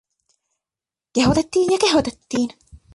Kehotettiin ja kehotettiin.